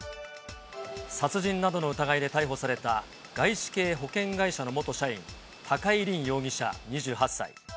殺人などの疑いで逮捕された外資系保険会社の元社員、高井凜容疑者２８歳。